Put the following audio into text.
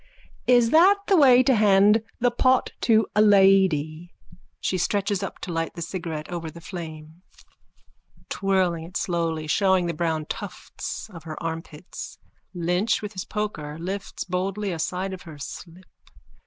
_ Is that the way to hand the pot to a lady? _(She stretches up to light the cigarette over the flame, twirling it slowly, showing the brown tufts of her armpits. Lynch with his poker lifts boldly a side of her slip.